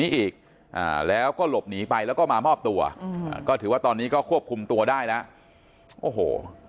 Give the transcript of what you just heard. อีกอ่าแล้วก็หลบหนีไปแล้วก็มามอบตัวอืมก็ถือว่าตอนนี้ก็ควบคุมตัวได้แล้วโอ้โห